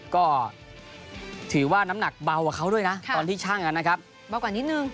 ก็ถือว่าน้ำหนักเบาเหมือนเขาด้วยนะตอนที่ช่างกับเบากว่านิดหนึ่ง